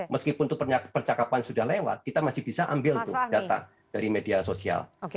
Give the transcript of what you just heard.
meskipun itu percakapan sudah lewat kita masih bisa ambil tuh data dari media sosial